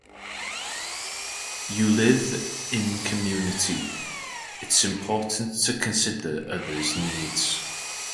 If you live in community, it's important to consider others' needs.